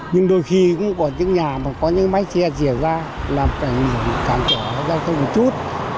nhưng đôi khi cũng có những nhà mà có những máy xe rỉa ra làm cảnh giữa cảnh giữa giao thông một chút